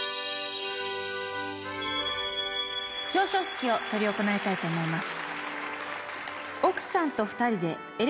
表彰式を執り行いたいと思います。